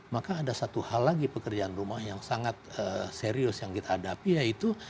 maka ada satu hal lagi pekerjaan rumah yang sangat serius yang kita hadapi yaitu